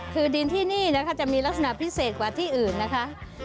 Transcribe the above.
คือดินที่นี่นะคะจะมีลักษณะพิเศษกว่าที่อื่นนะคะ